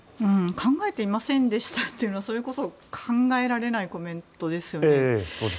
考えていませんでしたというのはそれこそ考えられないコメントですよね。